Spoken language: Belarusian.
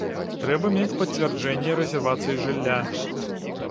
Трэба мець пацвярджэнне рэзервацыі жылля.